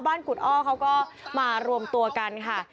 บ้านกุฎออกเขาก็มารวมตัวกันค่ะ